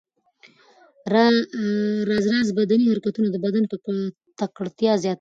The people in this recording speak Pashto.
راز راز بدني حرکتونه د بدن تکړتیا زیاتوي.